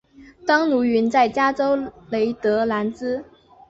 当奴云在加州雷德兰兹。